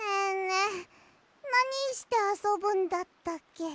えなにしてあそぶんだったっけ？